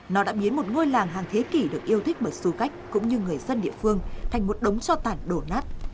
nó đã biến một ngôi làng hàng thế kỷ được yêu thích bởi du khách cũng như người dân địa phương thành một đống cho tản đổ nát